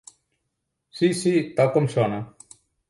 Sí, sí, tal com sona.